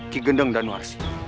kegendeng dan waris